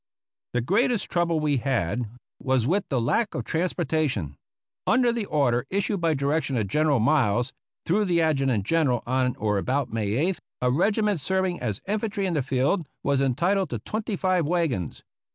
The greatest trouble we had was with the lack of trans portation. Under the order issued by direction of Gen eral Miles through the Adjutant General on or about May 8th, a regiment serving as infantry in the field was entitled to twenty five wagons.